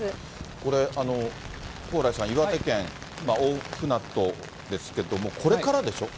これ、蓬莱さん、岩手県大船渡ですけども、これからでしょ？